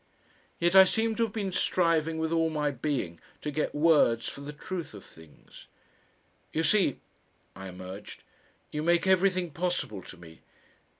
Yet I seem to have been striving with all my being to get words for the truth of things. "You see," I emerged, "you make everything possible to me.